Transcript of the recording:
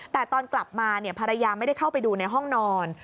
แต่ตอนกลับมาภรรยาไม่ได้เข้าไปดูในห้องนอน